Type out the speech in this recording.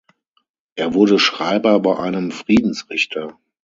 Er wurde Schreiber bei einem Friedensrichter.